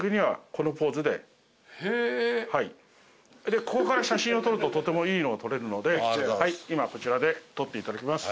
でここから写真を撮るととてもいいのが撮れるので今こちらで撮っていただきます。